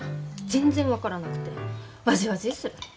全然分からなくてわじわじーする。